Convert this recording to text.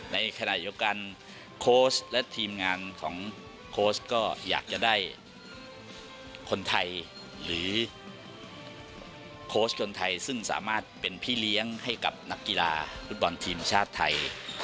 ในขณะเดียวกันโค้ชและทีมงานของโค้ชก็อยากจะได้คนไทยหรือโค้ชคนไทยซึ่งสามารถเป็นพี่เลี้ยงให้กับนักกีฬาฟุตบอลทีมชาติไทย